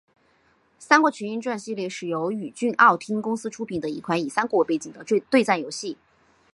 三国群英传系列是由宇峻奥汀公司出品的一款以三国为背景的对战游戏。